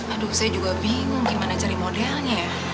aduh saya juga bingung gimana cari modelnya ya